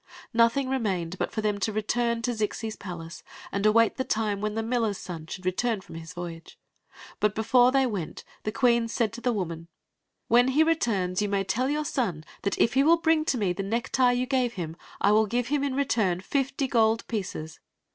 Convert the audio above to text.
Nothing remained but for them to return to Zixis palace and await the time when the miller's son should return from his voyage. But before they went the queen said to the woman: "When he returns you may tell your son that if he will bring to me the necktie you gave him, I will give him in return fifty gold pieces."